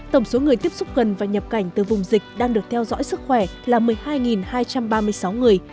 tổng số người tiếp xúc gần và nhập cảnh từ vùng dịch đang được theo dõi sức khỏe là một mươi hai hai trăm ba mươi sáu người